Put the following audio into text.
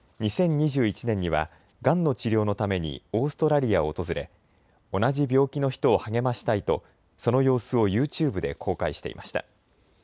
２０２１年には、がんの治療のためにオーストラリアを訪れ同じ病気の人を励ましたいとその様子をユーチューブで公開していました。